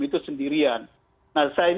itu sendirian nah